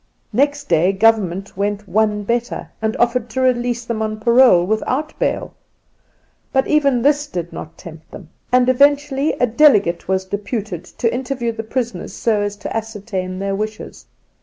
Next day Government went one better and offered to release them on parole without bail. But even this did not tempt them, and eventually a delegate was deputed to interview the prisoners so as to ascertain their wishes.